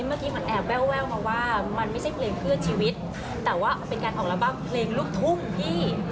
เมื่อกี้มันแอบแววมาว่ามันไม่ใช่เพลงเพื่อชีวิตแต่ว่ามันเป็นการออกอัลบั้มเพลงลูกทุ่งพี่